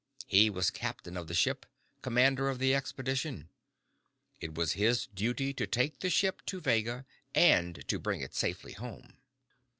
He was captain of the ship, commander of the expedition. It was his duty to take the ship to Vega, and to bring it safely home.